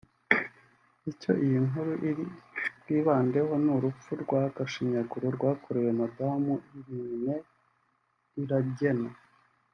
Icyo iyi nkuru iri bwibandeho ni urupfu rw’agashinyaguro rwakorewe madamu Illuminée Iragena